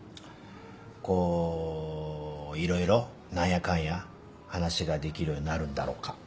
こう色々何やかんや話ができるようになるんだろうか。